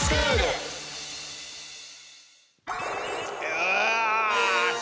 よし！